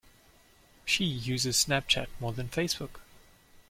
She uses SnapChat more than Facebook